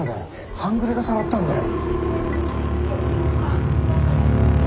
半グレがさらったんだよ。